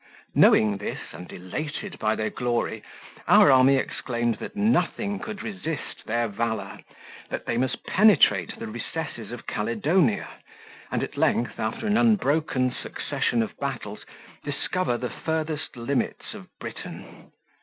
27 Knowing this, and elated by their glory, our army exclaimed that nothing could resist their valour—that they must penetrate the recesses of Caledonia, and at length after an unbroken succession of battles, discover the furthest limits of Britain.